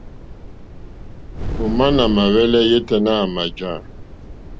Òmá nà mà hwɛ́lɛ́ yêténá à mà jǎ.